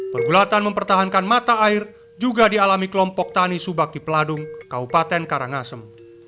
pergulatan mempertahankan mata air juga dialami kelompok tani subak di peladung kabupaten karangasem